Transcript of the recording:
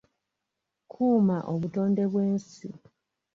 Kuuma obutonde bw'ensi.